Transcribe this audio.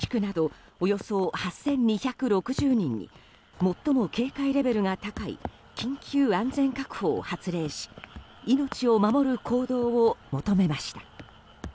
三原市は沼田東地区などおよそ８２６０人に最も警戒レベルが高い緊急安全確保を発令し命を守る行動を求めました。